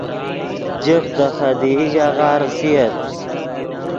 جفت دے خدیئی ژاغہ ریسییت